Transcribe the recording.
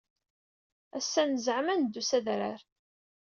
Ass-a neɛzem ad neddu s adrar.